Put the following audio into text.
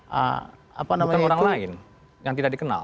bukan orang lain yang tidak dikenal